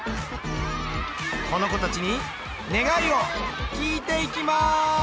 この子たちに願いを聞いていきます！